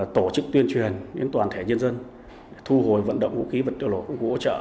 tổ chức tuyên truyền đến toàn thể nhân dân thu hồi vận động vũ khí vật liệu nổ công cụ hỗ trợ